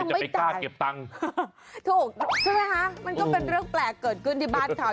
อันนี้ยังไม่ต่างถูกใช่ไหมคะมันก็เป็นเรื่องแปลกเกิดขึ้นที่บ้านข่าว